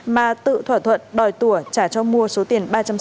mà tự thỏa thuận đòi tỷ trả cho mua số tiền ba trăm sáu mươi triệu đồng